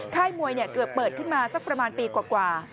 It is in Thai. ค่ายมวยเกือบเปิดขึ้นมาสักประมาณปีกว่า